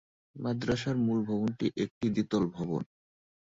মাদ্রাসার মূল ভবনটি একটি দ্বিতল ভবন।